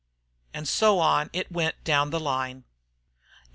And so on it went down the line.